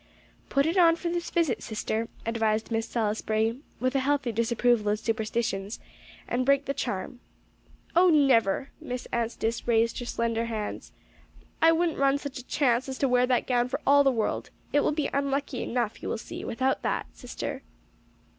"Put it on for this visit, sister," advised Miss Salisbury, with a healthy disapproval of superstitions, "and break the charm." "Oh, never!" Miss Anstice raised her slender hands. "I wouldn't run such a chance as to wear that gown for all the world. It will be unlucky enough, you will see, without that, sister."